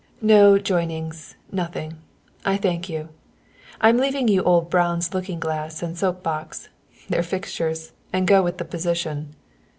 "No, Joynings; nothing, I thank you. I'm leaving you old Brown's looking glass and soap box they're fixtures, and go with the position."